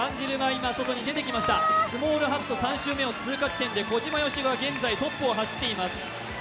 スモールハット３周目通過地点で小島よしおが現在トップを走っています。